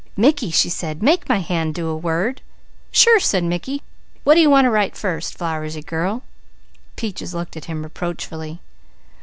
"Mickey!" she said. "Make my hand do a word!" "Sure!" said Mickey. "What do you want to write first, Flowersy girl?" Peaches looked at him reproachfully.